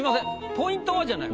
「ポイントは？」じゃない。